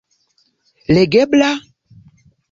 Legebla?